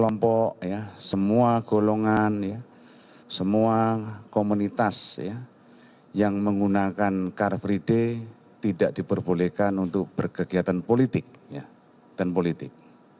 menggunakan car free day tidak diperbolehkan untuk berkegiatan politik